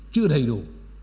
chưa đầy đủ